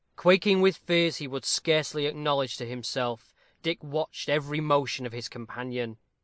Quaking with fears he would scarcely acknowledge to himself, Dick watched every motion of his companion.